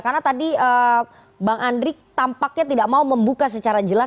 karena tadi bang andri tampaknya tidak mau membuka secara jelas